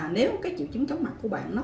nếu triệu chứng chóng mặt của bạn